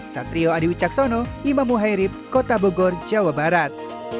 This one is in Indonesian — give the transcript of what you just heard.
satrio adiwi caksono imamu hairib kota bogor jawa barat